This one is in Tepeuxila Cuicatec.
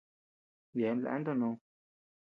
Yeabean leantu nod.